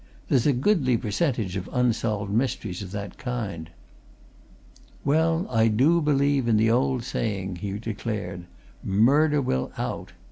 "There's a goodly percentage of unsolved mysteries of that kind." "Well, I believe in the old saying," he declared. "Murder will out!